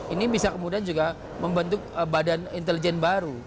ini bisa kemudian juga membentuk badan intelijen baru